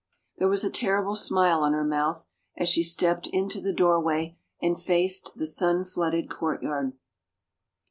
... There was a terrible smile on her mouth as she stepped into the doorway and faced the sun flooded courtyard.